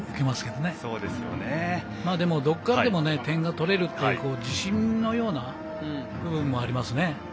どこからでも点を取れるという自信のような部分もありますね。